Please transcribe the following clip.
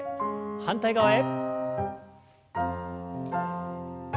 反対側へ。